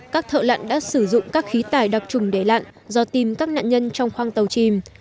các thợ lặn đã sử dụng các khí tải đặc trùng để lặn do tìm các nạn nhân trong khoang tàu chìm